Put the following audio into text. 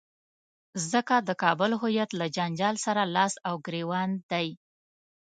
ځکه د کابل هویت له جنجال سره لاس او ګرېوان دی.